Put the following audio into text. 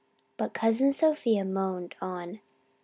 But Cousin Sophia moaned on.